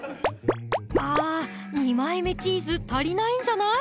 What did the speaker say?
あ２枚目チーズ足りないんじゃない？